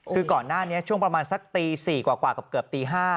คือก่อนหน้านี้ช่วงประมาณสักตี๔กว่าเกือบตี๕